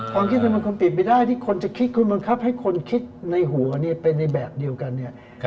ความคิดทางเกินมันคุณปิดไม่ได้ที่คุณบังคับให้คนคิดในหัวเป็นในแบบเดียวกัน